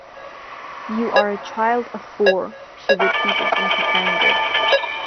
“You are a child of four,” she repeated in her anger.